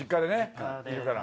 いるから。